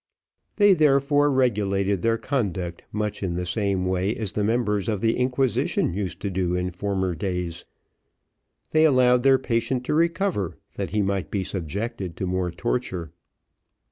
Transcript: They therefore regulated their conduct much in the same way as the members of the inquisition used to do in former days; they allowed their patient to recover, that he might be subjected to more torture.